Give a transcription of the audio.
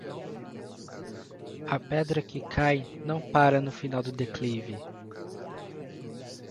A pedra que cai não pára no final do declive.